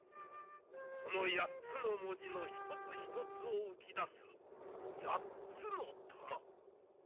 この八つの文字の一つ一つを浮き出す八つの珠。